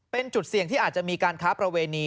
เป็นจุดเสี่ยงที่อาจจะมีการค้าประเวณี